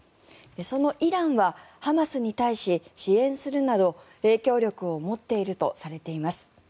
そのイランはハマスに対し支援するなど影響力を持っているとされています。